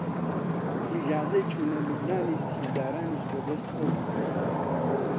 ئیجازەی چوونە لوبنانی سیلدارانیش بە دەست ئەو بوو